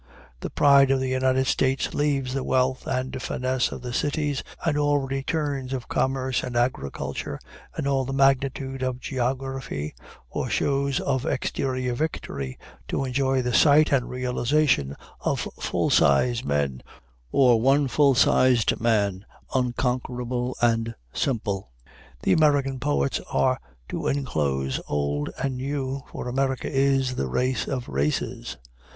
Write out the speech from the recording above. The pride of the United States leaves the wealth and finesse of the cities, and all returns of commerce and agriculture, and all the magnitude of geography or shows of exterior victory, to enjoy the sight and realization of full sized men, or one full sized man unconquerable and simple. The American poets are to inclose old and new, for America is the race of races.